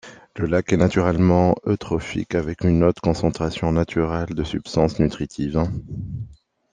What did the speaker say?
Le lac est naturellement eutrophique, avec une haute concentration naturelle de substances nutritives.